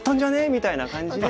みたいな感じで。